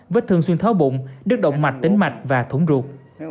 vết thương xuyên thớ bụng đứt động mạch tính mạch và thủng ruột